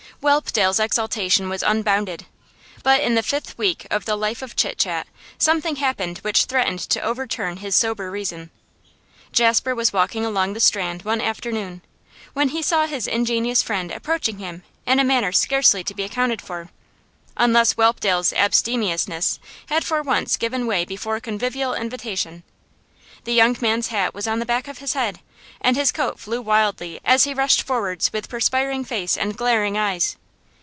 Whelpdale's exultation was unbounded, but in the fifth week of the life of Chit Chat something happened which threatened to overturn his sober reason. Jasper was walking along the Strand one afternoon, when he saw his ingenious friend approaching him in a manner scarcely to be accounted for, unless Whelpdale's abstemiousness had for once given way before convivial invitation. The young man's hat was on the back of his head, and his coat flew wildly as he rushed forwards with perspiring face and glaring eyes.